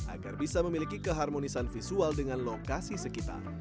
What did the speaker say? agar bisa memiliki keharmonisan visual dengan lokasi sekitar